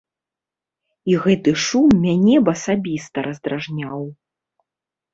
І гэты шум мяне б асабіста раздражняў.